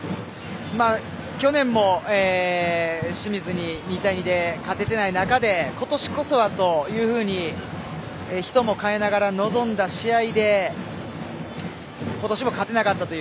去年も清水に２対２で勝ててない中でことしこそはというふうに人も代えながら臨んだ試合でことしも勝てなかったという。